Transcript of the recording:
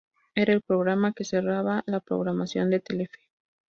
Era el programa que cerraba la programación de Telefe.